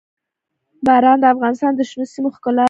باران د افغانستان د شنو سیمو ښکلا ده.